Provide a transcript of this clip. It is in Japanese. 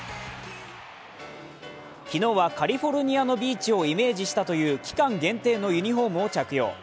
昨日はカリフォルニアのビーチをイメージしたという期間限定のユニフォームを着用。